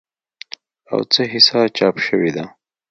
او څه حصه چاپ شوې ده